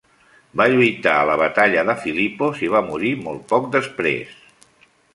Va lluitar a la batalla de Filipos i va morir molt poc després.